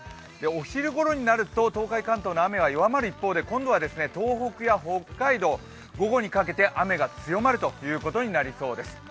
お昼ごろになると東海・関東の雨は弱まる一方で、今度は東北や北海道午後にかけてて雨が強まるということになりそうです。